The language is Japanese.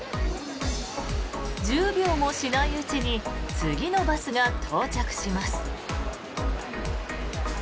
１０秒もしないうちに次のバスが到着します。